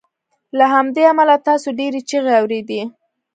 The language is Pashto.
له همدې امله تاسو ډیرې چیغې اوریدې